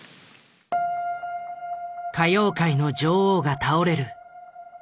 「歌謡界の女王が倒れる」。